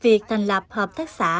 việc thành lập hợp tác xã